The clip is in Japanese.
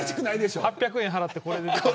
８００円払って、これ出てくる。